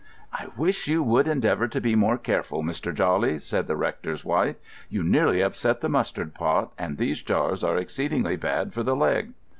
"I wish you would endeavour to be more careful, Mr. Jawley," said the rector's wife. "You nearly upset the mustard pot, and these jars are exceedingly bad for the leg."